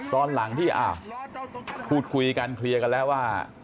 ตอนหลังที่พูดคุยกันเคลียร์กันแล้วว่า